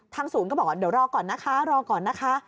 ศูนย์ก็บอกว่าเดี๋ยวรอก่อนนะคะรอก่อนนะคะ